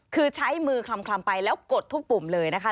คือใช้มือคลำไปแล้วกดทุกปุ่มเลยนะคะ